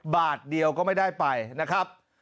บาทเดียวก็ไม่ได้ไปนะครับ